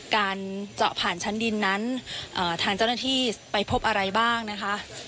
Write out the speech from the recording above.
การเจาะผ่านชั้นดินนั้นทางเจ้าหน้าที่ไปพบอะไรบ้างนะคะ